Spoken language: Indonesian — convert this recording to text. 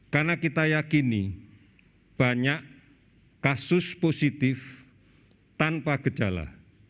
karena kita yakini banyak kasus positif tanpa gejala